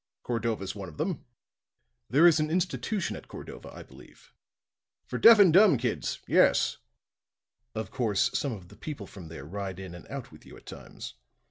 Cordova's one of them." "There is an institution at Cordova, I believe?" "For deaf and dumb kids yes." "Of course some of the people from there ride in and out with you at times."